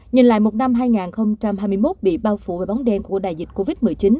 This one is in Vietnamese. nhìn lại một năm hai nghìn hai mươi một bị bao phủ với bóng đen của đại dịch covid một mươi chín